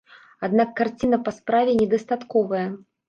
Аднак карціна па справе недастатковая.